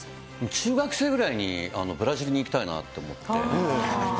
中学生ぐらいにブラジルに行きたいなと思って。